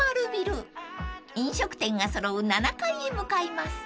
［飲食店が揃う７階へ向かいます］